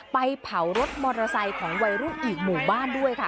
ไปเผารถมอเตอร์ไซค์ของวัยรุ่นอีกหมู่บ้านด้วยค่ะ